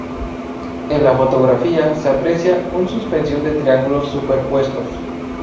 En la fotografía se aprecia un suspensión de triángulos superpuestos.